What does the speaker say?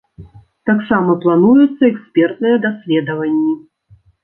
Таксама плануюцца экспертныя даследаванні.